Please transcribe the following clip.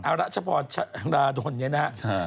อารัชพรชราดลเนี่ยนะฮะ